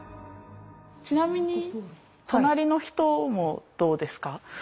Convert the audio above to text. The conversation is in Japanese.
ちなみに隣の人もどうですか？